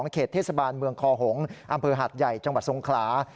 เขตเทศบาลเมืองคอหงษ์อำเภอหาดใหญ่จังหวัดทรงขลา